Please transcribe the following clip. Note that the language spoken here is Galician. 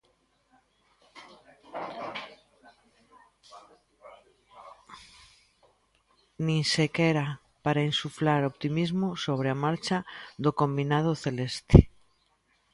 Nin sequera para insuflar optimismo sobre a marcha do combinado celeste.